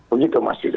begitu mas tidak